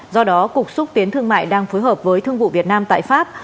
do đó cục xúc tiến thương mại đang phối hợp với thương vụ việt nam tại pháp